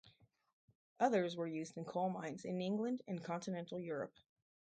Others were used in coal mines in England and continental Europe.